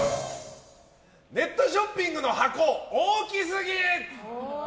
ネットショッピングの箱大き過ぎ！